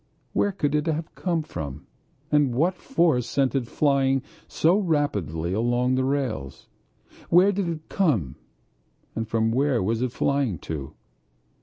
Where could it have come from and what force sent it flying so rapidly along the rails? Where did it come from and where was it flying to?